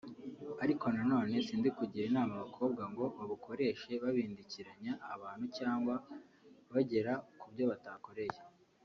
Ariko nanone sindi kugira inama abakobwa ngo babukoreshe babindikiranya abantu cyangwa bagera ku byo batakoreye